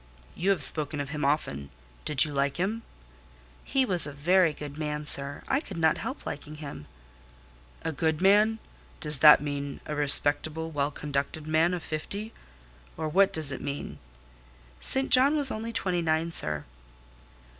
"You have spoken of him often: do you like him?" "He was a very good man, sir; I could not help liking him." "A good man. Does that mean a respectable well conducted man of fifty? Or what does it mean?" "St John was only twenty nine, sir."